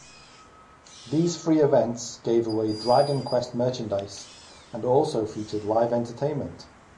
These free events gave away "Dragon Quest" merchandise and also featured live entertainment.